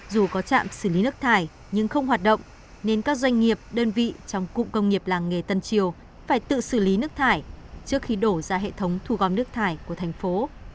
dù có trạm xử lý nước thải nhưng không hoạt động nên các doanh nghiệp đơn vị trong cụm công nghiệp làng nghề tân triều phải tự xử lý nước thải trước khi đổ ra hệ thống thu gom nước thải của thành phố